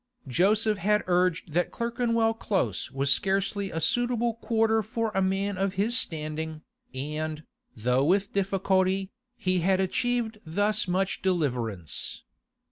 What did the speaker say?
Joseph had urged that Clerkenwell Close was scarcely a suitable quarter for a man of his standing, and, though with difficulty, he had achieved thus much deliverance.